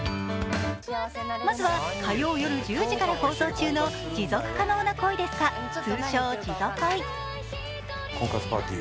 まずは火曜夜１０時から放送中の「持続可能な恋ですか？」、通称・「じぞ恋」。